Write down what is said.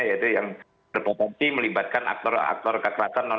yaitu yang berpotensi melibatkan komponen cadangan ini